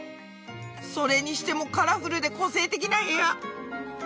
それにしてもカラフルで個性的な部屋！